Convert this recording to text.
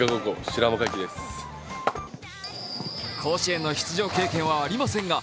甲子園の出場経験はありませんが